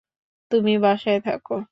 তুমি বাসায় থাকো।